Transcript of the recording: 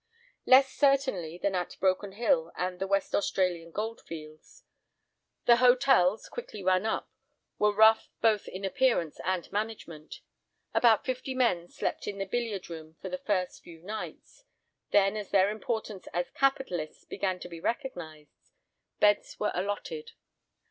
Less, certainly, than at Broken Hill and the West Australian Goldfields. The hotels, quickly run up, were rough both in appearance and management. About fifty men slept in the billiard room for the first few nights. Then, as their importance as "capitalists" began to be recognised, beds were allotted.